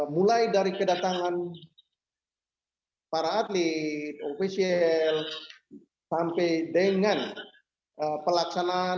mulai dari kedatangan para atlet ofisial sampai dengan pelaksanaan